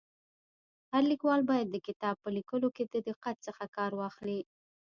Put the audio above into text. هر لیکوال باید د کتاب په ليکلو کي د دقت څخه کار واخلي.